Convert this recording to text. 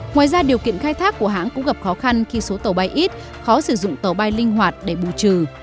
ngoài ra điều kiện khai thác của hãng cũng gặp khó khăn khi số tàu bay ít khó sử dụng tàu bay linh hoạt để bù trừ